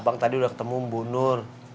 bang tadi udah ketemu bu nur